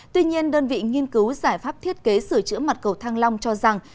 tuy nhiên đơn vị nghiên cứu giải pháp thiết kế sửa chữa mặt cầu thăng long cho rằng